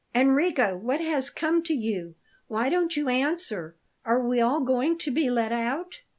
"Enrico! What has come to you? Why don't you answer? Are we all going to be let out?"